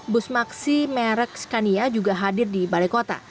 bus maxi merek scania juga hadir di balai kota